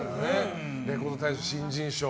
レコード大賞新人賞。